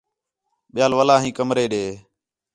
ٻِیال ولا ھیں کمرے ݙے